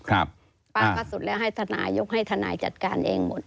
ป้าก็สุดแล้วให้ทนายยกให้ทนายจัดการเองหมด